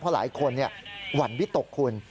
เพราะหลายคนหวั่นวิตกคุณ